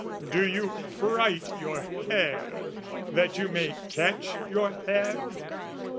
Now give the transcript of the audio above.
Do you fright your hare that you may catch your hare?